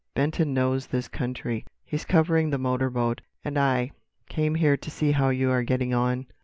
Benton knows this country. He's covering the motor boat. And I—came here to see how you are getting on."